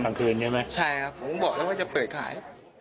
ก่อนคืนใช่ไหมครับใช่ครับเขาบอกจะเปิดขาย